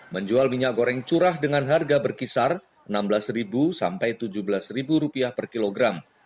menjual minyak goreng curah dengan harga berkisar rp enam belas sampai rp tujuh belas per kilogram